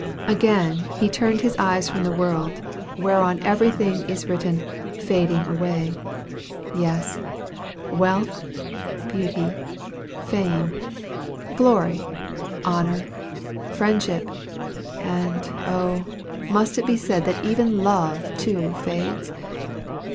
Again he turned his eyes from the world, whereon everything is written, "fading away." Yes, wealth, beauty, fame, glory, honor, friendship, and oh! must it be said that even love, too, fades?